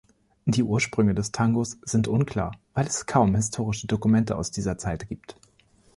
Die Ursprünge des Tangos sind unklar, weil es kaum historische Dokumente aus dieser Zeit gibt.